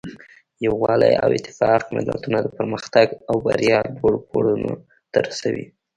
یووالی او اتفاق ملتونه د پرمختګ او بریا لوړو پوړونو ته رسوي.